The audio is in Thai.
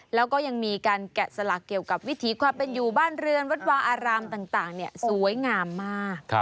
แล้วก็ยังมีการแกะสลักเกี่ยวกับวิถีความเป็นอยู่บ้านเรือนวัดวาอารามต่างสวยงามมาก